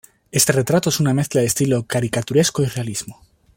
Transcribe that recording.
Este retrato es una mezcla de estilo caricaturesco y realismo.